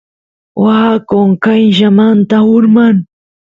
waa qonqayllamanta urman